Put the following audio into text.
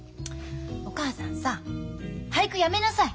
お母さんさ俳句やめなさい。